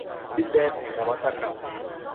ดินแดนแห่งนวัตกรรม